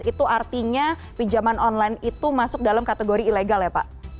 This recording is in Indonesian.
itu artinya pinjaman online itu masuk dalam kategori ilegal ya pak